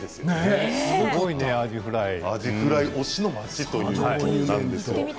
アジフライ推しの町ということなんです。